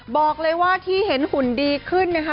บอกเลยว่าที่เห็นหุ่นดีขึ้นนะคะ